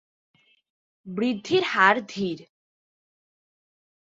বৃদ্ধির হার ধীর।